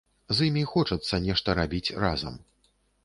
З імі хочацца нешта рабіць разам.